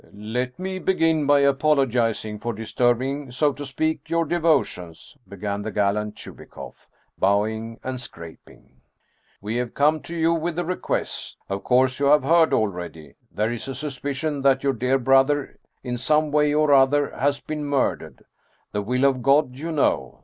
" Let me begin by apologizing for disturbing, so to speak, your devotions," began the gallant Chubikoff, bow ing and scraping. " We have come to you with a request. Of course, you have heard already. There is a suspicion that your dear brother, in some way or other, has been murdered. The will of God, you know.